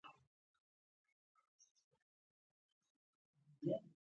خپل مشاهدات، احساسات او تجربې لیکم.